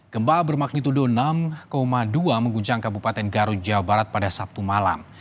gempa bermagnitudo enam dua mengguncang kabupaten garut jawa barat pada sabtu malam